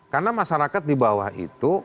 karena masyarakat di bawah itu